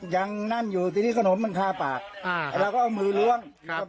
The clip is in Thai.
ยังนั่นอยู่ทีนี้ขนมมันคาปากเราก็เอามือล้วง